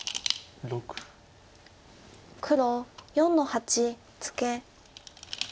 黒４の八ツケ。